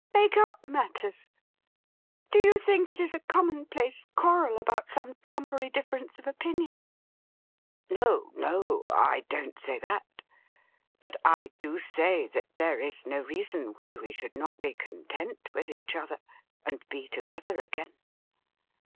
' Make up matters ! Do you think it is a commonplace quarrel about some trumpery difference of opinion .'"' No, no. I don't say that ; but I do say that there is no reason why we should not be content with each other, and be together again.